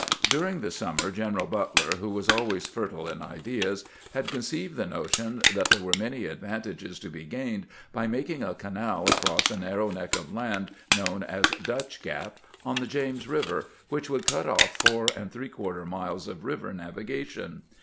During the summer General Butler, who was always fertile in ideas, had conceived the notion that there were many advantages to be gained by making a canal across THE DUTCH GAP CANAL 371 a narrow neck of land, known as Dutcli Gap, on the James River, wMch would cut off four and three quarter miles of river navigation.